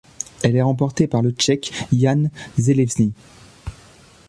Elle est remportée par le Tchèque Jan Železný.